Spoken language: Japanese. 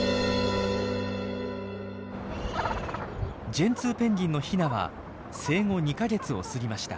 ジェンツーペンギンのヒナは生後２か月を過ぎました。